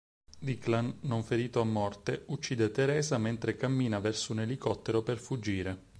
Declan, non ferito a morte, uccide Teresa mentre cammina verso un elicottero per fuggire.